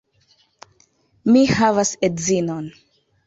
Mi havas edzinon.